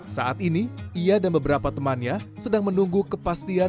saat ini ia dan beberapa temannya sedang menunggu kepastian